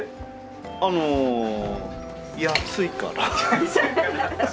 あの安いから。